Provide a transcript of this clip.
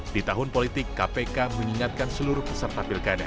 di tahun politik kpk mengingatkan seluruh peserta pilkada